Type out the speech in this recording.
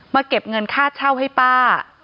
เก็บเงินค่าเช่าให้ป้า